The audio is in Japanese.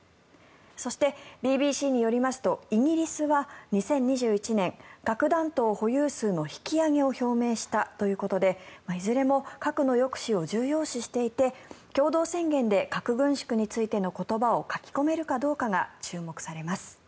そして、ＢＢＣによりますとイギリスは２０２１年核弾頭保有数の引き上げを表明したということでいずれも核の抑止を重要視していて共同宣言で核軍縮についての言葉を書き込めるかどうかが注目されます。